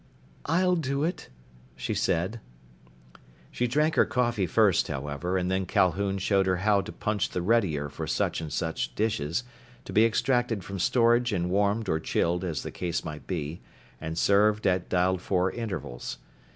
"I I'll do it," she said. She drank her coffee first, however, and then Calhoun showed her how to punch the readier for such and such dishes, to be extracted from storage and warmed or chilled, as the case might be, and served at dialed for intervals.